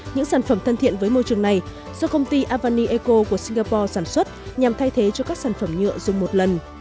những sản phẩm thân thiện với môi trường này do công ty avanieco của singapore sản xuất nhằm thay thế cho các sản phẩm nhựa dùng một lần